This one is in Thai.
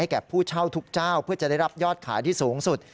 แก่ผู้เช่าทุกเจ้าเพื่อจะได้รับยอดขายที่สูงสุด